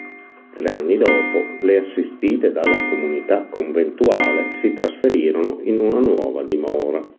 Tre anni dopo le assistite dalla comunità conventuale si trasferirono in una nuova dimora.